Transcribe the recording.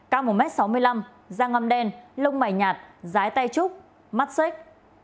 căng một m sáu mươi năm da ngâm đen lông mẩy nhạt rái tay trúc mắt xếch